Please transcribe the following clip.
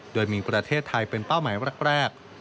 โดยมีประเทศไทยเป็นเป้าหมายแรก